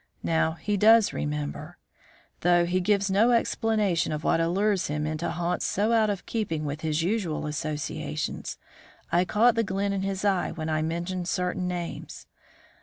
Now, he does remember. Though he gives no explanation of what allures him into haunts so out of keeping with his usual associations, I caught the glint in his eye when I mentioned certain names.